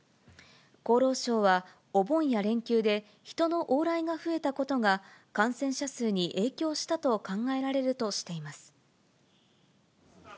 厚労省は、お盆や連休で人の往来が増えたことが、感染者数に影響したと考えられるとしています。